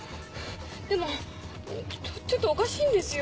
でもちょっとおかしいんですよ。